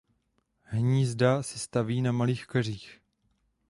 Hnízda si staví na malých keřích.